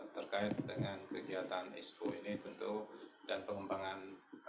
terkait dengan kegiatan espo ini tentu dan pengembangan